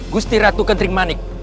gusti ratu ketering manik